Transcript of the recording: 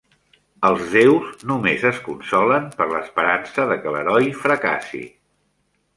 Els deus només es consolen per l'esperança de que l'heroi fracassi.